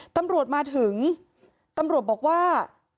ตำรวจมาถึงตำรวจบอกว่า